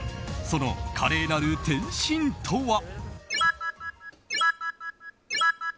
その華麗なる転身とは。